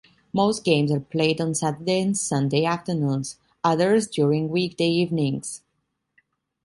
Most games are played on Saturday and Sunday afternoons; others during weekday evenings.